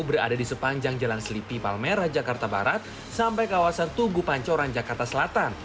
berada di sepanjang jalan selipi palmerah jakarta barat sampai kawasan tugu pancoran jakarta selatan